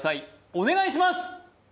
お願いします